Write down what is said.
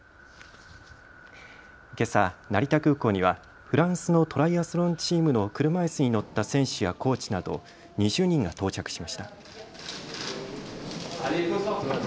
けさ、成田空港にはフランスのトライアスロンチームの車いすに乗った選手やコーチなど２０人が到着しました。